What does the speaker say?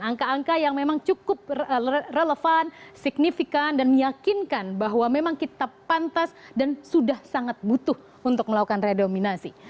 angka angka yang memang cukup relevan signifikan dan meyakinkan bahwa memang kita pantas dan sudah sangat butuh untuk melakukan redominasi